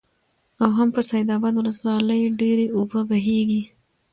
او هم په سيدآباد ولسوالۍ ډېرې اوبه بهيږي،